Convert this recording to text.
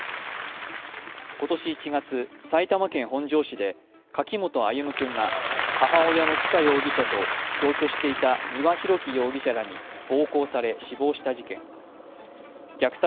今年１月、埼玉県本庄市で柿本歩夢君が母親の知香容疑者と同居していた丹羽洋樹容疑者らに暴行され死亡した事件。